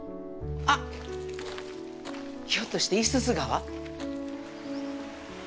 あっ、ひょっとして五十鈴川？